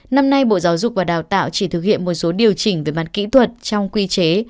năm nay bộ giáo dục và đào tạo chỉ thực hiện một số điều chỉnh về mặt kỹ thuật trong quy chế